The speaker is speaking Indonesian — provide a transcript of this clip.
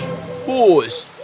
pus apa yang kau lakukan disini